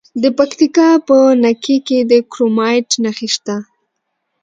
د پکتیکا په نکې کې د کرومایټ نښې شته.